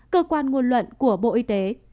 cơ quan nguồn luận của bộ y tế